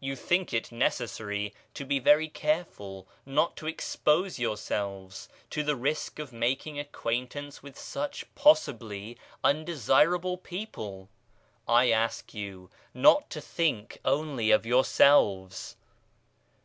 You think it necessary to be very careful, not to expose yourselves to the risk of making acquaintance with such, possibly, undesirable people. I ask you not to think only of yourselves.